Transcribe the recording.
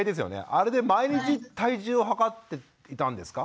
あれで毎日体重を量っていたんですか？